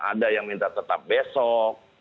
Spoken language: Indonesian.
ada yang minta tetap besok